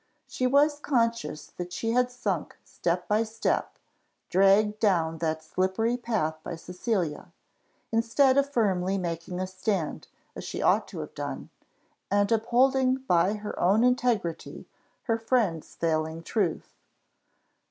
She was conscious that she had sunk step by step, dragged down that slippery path by Cecilia, instead of firmly making a stand, as she ought to have done, and up holding by her own integrity her friend's failing truth.